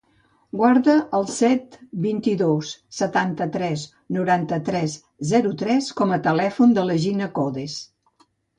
Guarda el set, vint-i-dos, setanta-tres, noranta-tres, zero, tres com a telèfon de la Gina Codes.